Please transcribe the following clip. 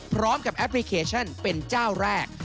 พร้อมกับแอปพลิเคชันเป็นเจ้าแรก